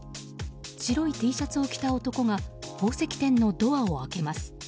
白いＴシャツを着た男が宝石店のドアを開けます。